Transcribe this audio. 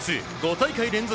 大会連続